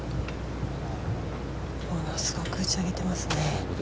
ものすごく打ち上げていますね。